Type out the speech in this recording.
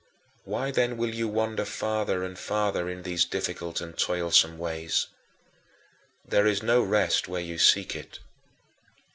Why then will you wander farther and farther in these difficult and toilsome ways? There is no rest where you seek it.